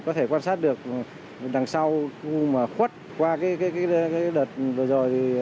có thể quan sát được đằng sau khuất qua đợt vừa rồi